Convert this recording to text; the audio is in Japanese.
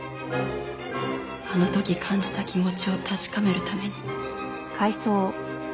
あの時感じた気持ちを確かめるために。